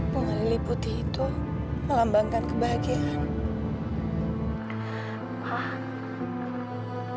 bunga lili putih itu melambangkan kebahagiaan